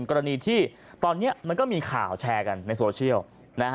กรณีที่ตอนนี้มันก็มีข่าวแชร์กันในโซเชียลนะฮะ